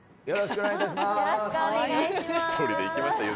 よろしくお願いします